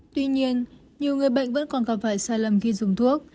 tuy nhiên nhiều người bệnh vẫn còn gặp phải sai lầm khi dùng thuốc